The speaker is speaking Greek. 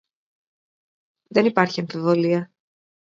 Δεν υπάρχει αμφιβολία